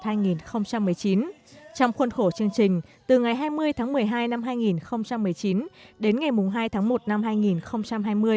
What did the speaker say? trong khuôn khổ chương trình từ ngày hai mươi tháng một mươi hai năm hai nghìn một mươi chín đến ngày hai tháng một năm hai nghìn hai mươi